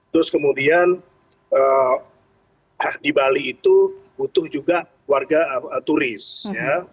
terus kemudian di bali itu butuh juga warga turis ya